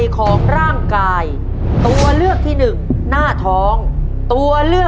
คือ